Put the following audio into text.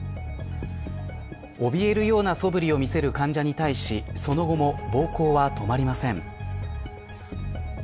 おびえるようなそぶりを見せる患者に対しその後も暴行は止まりません。